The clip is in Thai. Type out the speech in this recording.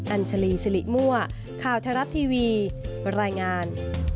อัญชลีสิริมั่วข่าวทรัพย์ทีวีบรรยายงาน